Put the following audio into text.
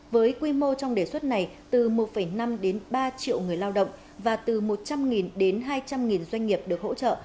với quy mô trong đề xuất này từ một năm đến ba triệu người lao động và từ một trăm linh đến hai trăm linh doanh nghiệp được hỗ trợ